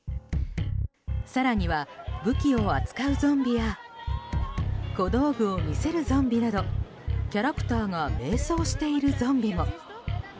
更には武器を扱うゾンビや小道具を見せるゾンビなどキャラクターが迷走しているゾンビも。